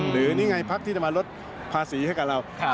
หรือนี่ไงพักที่จะมาลดภาษีให้กับเรา